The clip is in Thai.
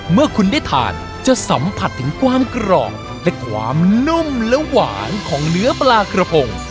เมื่อคุณได้ทานจะสัมผัสถึงความกรอบและความนุ่มและหวานของเนื้อปลากระพง